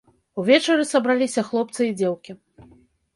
Увечары сабраліся хлопцы і дзеўкі.